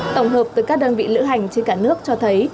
tổng hợp từ các đơn vị lữ hành trên cả nước cho thấy